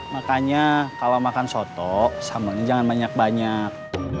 makanya kalau makan soto sambalnya jangan banyak banyak